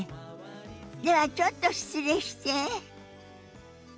ではちょっと失礼して。